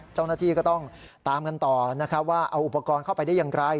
เจ้าหน้าที่ก็ต้องตามกันต่อนะครับว่าเอาอุปกรณ์เข้าไปได้อย่างไร